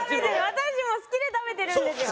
私も好きで食べてるんですよ